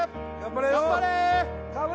頑張れよ！